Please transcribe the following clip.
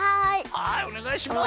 はいおねがいします。